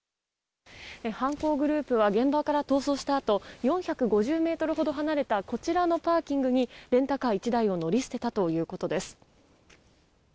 犯行グループは現場から逃走したあと４５０ｍほど離れたこちらのパーキングにレンタカー１台を乗り捨てたということです。